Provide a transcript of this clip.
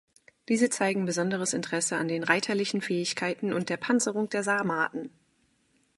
Diese zeigen besonderes Interesse an den reiterlichen Fähigkeiten und der Panzerung der Sarmaten.